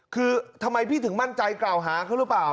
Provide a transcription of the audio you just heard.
คือทำไมพี่ถึงมั่นใจกล่าวหาเขาหรือเปล่า